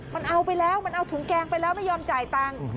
มันเอาไปแล้วมันเอาถุงแกงไปแล้วไม่ยอมจ่ายตังค์